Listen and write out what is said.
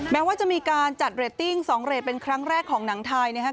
แม้ว่าจะมีการจัดเรตติ้ง๒เรทเป็นครั้งแรกของหนังไทยนะครับ